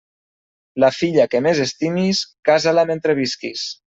La filla que més estimis, casa-la mentre visquis.